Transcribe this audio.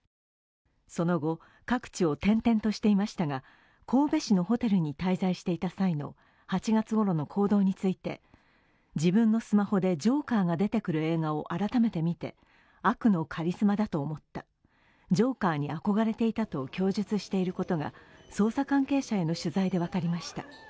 その後、各地を転々としていましたが神戸市のホテルに滞在していた際の８月ごろの行動について自分のスマホでジョーカーが出てくる映画を改めて見て、悪のカリスマだと思った、ジョーカー」に憧れていたと供述していることが捜査関係者への取材で分かりました。